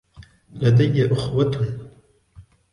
لديّ أخوةٌ.